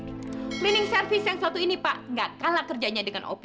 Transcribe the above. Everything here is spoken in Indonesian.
cleaning service yang satu ini pak gak kalah kerjanya dengan opi